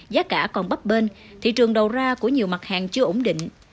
giá cả còn bắp bên thị trường đầu ra của nhiều mặt hàng chưa ổn định